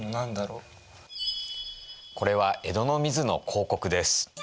これは江戸の水の広告です。